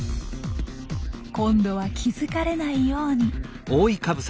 今度は気付かれないように。